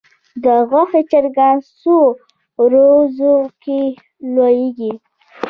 د غوښې چرګان څو ورځو کې لویږي؟